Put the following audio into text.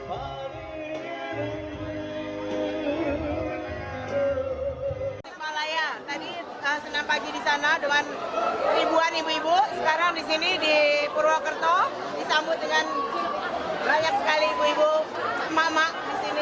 ibu sekarang di sini di purwokerto disambut dengan banyak sekali ibu ibu mama di sini